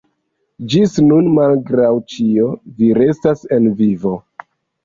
Ĝis nun, malgraŭ ĉio, vi restas en vivo.